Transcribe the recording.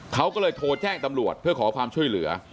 เขาก็เลยโทรแจ้งตำรวจเพื่อขอความช่วยเหลือ